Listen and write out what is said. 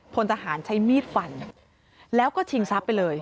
พลทหารใช้มีดฟันแล้วก็ชิงทรัพย์ไปเลย